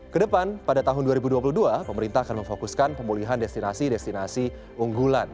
kedepan pada tahun dua ribu dua puluh dua pemerintah akan memfokuskan pemulihan destinasi destinasi unggulan